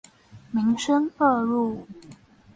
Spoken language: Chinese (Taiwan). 民生二路